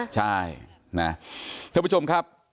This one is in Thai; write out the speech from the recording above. ใช่ทุกผู้ชมครับ